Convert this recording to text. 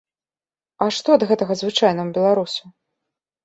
А што ад гэтага звычайнаму беларусу?